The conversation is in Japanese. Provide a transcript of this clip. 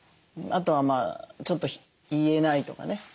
あとはちょっと言えないとかね